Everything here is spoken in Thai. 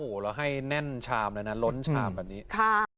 โอ้โหแล้วให้แน่นชามเลยนะล้นชามแบบนี้ค่ะ